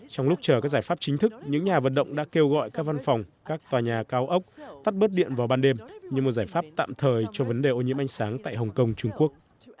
trong lúc chờ các giải pháp chính thức những nhà vận động đã kêu gọi các văn phòng các tòa nhà cao ốc tắt bớt điện vào ban đêm như một giải pháp tạm thời cho vấn đề ô nhiễm ánh sáng tại hồng kông trung quốc